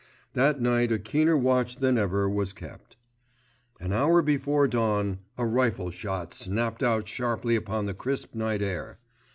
That night a keener watch than ever was kept. An hour before dawn, a rifle shot snapped out sharply upon the crisp night air.